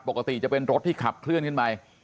ปกติจะเป็นรถที่ขับเคลื่อนขึ้นไป